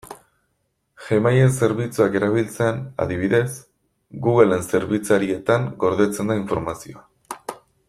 Gmail-en zerbitzuak erabiltzean, adibidez, Google-en zerbitzarietan gordetzen da informazioa.